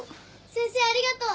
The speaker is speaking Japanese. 先生ありがとう。